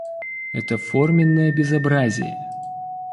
Это форменное безобразие.